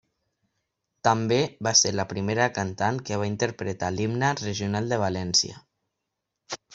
També va ser la primera cantant que va interpretar l’himne regional de València.